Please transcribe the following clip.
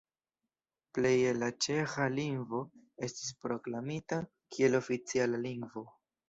Pleje la ĉeĥa lingvo estis proklamita kiel oficiala lingvo.